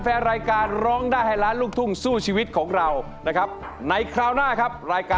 มันว่างเปล่าไปหมดเลย